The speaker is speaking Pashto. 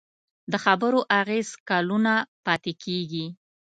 د خبرو اغېز کلونه پاتې کېږي.